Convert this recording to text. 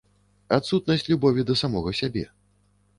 Адсутнасць любові да самога сябе.